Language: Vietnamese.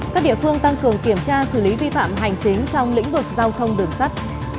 các địa phương tăng cường kiểm tra xử lý vi phạm hành chính trong lĩnh vực giao thông đường sắt